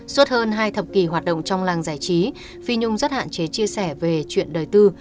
suốt hơn hai thập kỷ hoạt động trong làng giải trí phi nhung rất hạn chế chia sẻ về chuyện đời tư